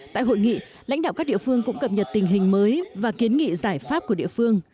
tại hội nghị lãnh đạo các địa phương cũng cập nhật tình hình mới và kiến nghị giải pháp của địa phương